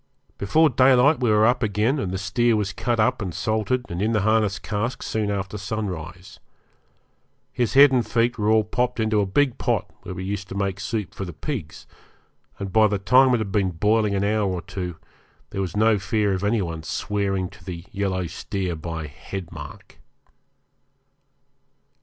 Before daylight we were up again, and the steer was cut up and salted and in the harness cask soon after sunrise. His head and feet were all popped into a big pot where we used to make soup for the pigs, and by the time it had been boiling an hour or two there was no fear of any one swearing to the yellow steer by 'head mark'.